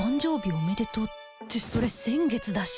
おめでとうってそれ先月だし